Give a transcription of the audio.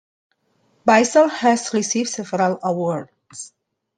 Beissel has received several awards.